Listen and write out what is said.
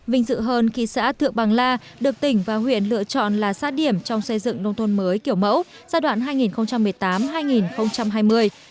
vinh dự hơn khi xã thượng bằng la được tỉnh và huyện lựa chọn là sát điểm trong xây dựng nông thôn mới kiểu mẫu giai đoạn hai nghìn một mươi tám hai nghìn hai mươi